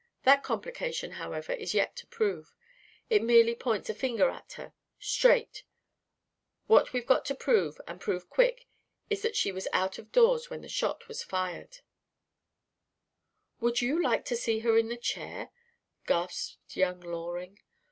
That complication, however, is yet to prove. It merely points a finger at her straight; what we've got to prove and prove quick is that she was out of doors when that shot was fired " "Would you like to see her in the chair?" gasped young Loring.